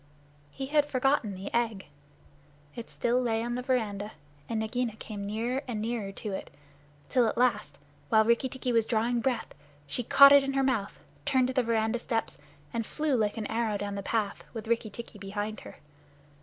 He had forgotten the egg. It still lay on the veranda, and Nagaina came nearer and nearer to it, till at last, while Rikki tikki was drawing breath, she caught it in her mouth, turned to the veranda steps, and flew like an arrow down the path, with Rikki tikki behind her.